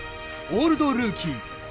「オールドルーキー」